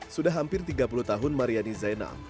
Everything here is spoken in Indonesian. sudah hampir tiga puluh tahun mariani zainal